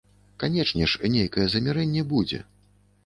Канечне ж, нейкае замірэнне будзе.